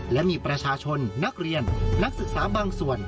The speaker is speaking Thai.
และมีประชาชนนักเรียนนักศึกษาบางส่วน